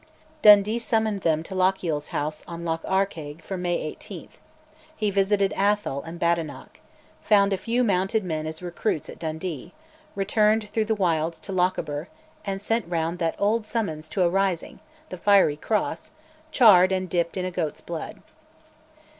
Dundee summoned them to Lochiel's house on Loch Arkaig for May 18; he visited Atholl and Badenoch; found a few mounted men as recruits at Dundee; returned through the wilds to Lochaber, and sent round that old summons to a rising, the Fiery Cross, charred and dipped in a goat's blood.